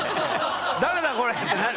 誰だこれってなる。